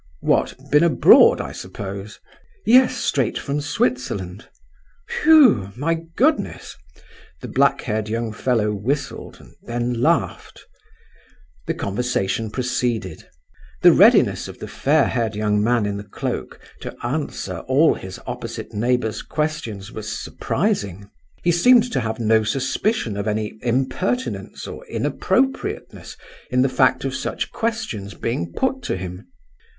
"What, been abroad, I suppose?" "Yes, straight from Switzerland." "Wheugh! my goodness!" The black haired young fellow whistled, and then laughed. The conversation proceeded. The readiness of the fair haired young man in the cloak to answer all his opposite neighbour's questions was surprising. He seemed to have no suspicion of any impertinence or inappropriateness in the fact of such questions being put to him.